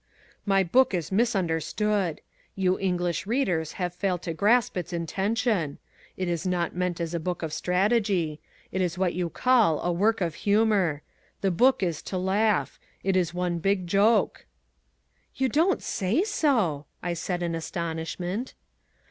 "My book is misunderstood. You English readers have failed to grasp its intention. It is not meant as a book of strategy. It is what you call a work of humour. The book is to laugh. It is one big joke." "You don't say so!" I said in astonishment.